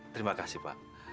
terima kasih pak